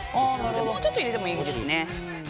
もうちょっと入れてもいいですね。